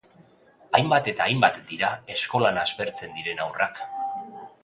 Hainbat eta hainbat dira eskolan aspertzen diren haurrak.